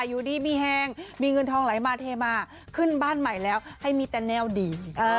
อยู่ดีมีแฮงมีเงินทองไหลมาเทมาขึ้นบ้านใหม่แล้วให้มีแต่แนวดี